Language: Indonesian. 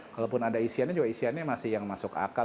kalaupun ada isiannya juga isiannya masih yang masuk akal